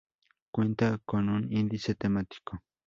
Cuenta con un índice temático.